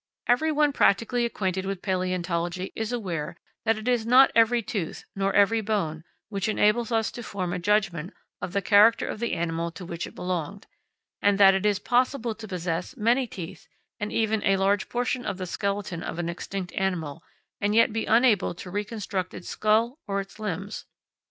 Every one practically acquainted with palaeontology is aware that it is not every tooth, nor every bone, which enables us to form a judgment of the character of the animal to which it belonged; and that it is possible to possess many teeth, and even a large portion of the skeleton of an extinct animal, and yet be unable to reconstruct its skull or its limbs.